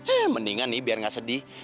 eh mendingan nih biar nggak sedih